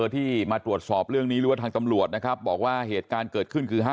ที่มาตรวจสอบเรื่องนี้หรือว่าทางตำรวจนะครับบอกว่าเหตุการณ์เกิดขึ้นคือ